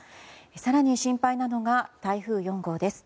更に心配なのが台風４号です。